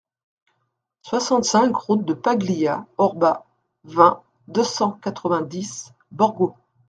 soixante-cinq route de Paglia Orba, vingt, deux cent quatre-vingt-dix, Borgo